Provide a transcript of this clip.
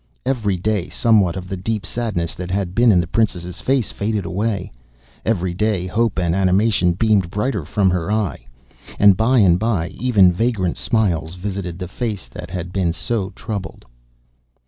Every day somewhat of the deep sadness that had been in the princess' face faded away; every day hope and animation beamed brighter from her eye; and by and by even vagrant smiles visited the face that had been so troubled.